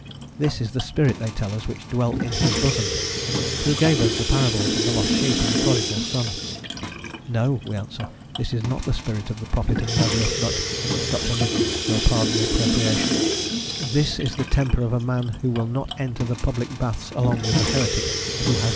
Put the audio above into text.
This is the spirit, they tell us, which dwelt in his bosom, who gave us the parables of the lost sheep and the prodigal son. "No," we answer, "this is not the spirit of the Prophet of Nazareth, but" (Dr. Liddon will pardon the appropriation) "this is the temper of a man who will not enter the public baths along with the heretic who has dishonoured his Lord."